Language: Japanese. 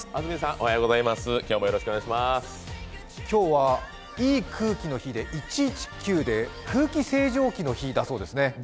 今日はいい空気の日１１・９で空気清浄機の日だそうですね？